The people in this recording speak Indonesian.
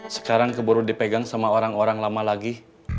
sekarang keburu dipegang sama orang orang lama lagi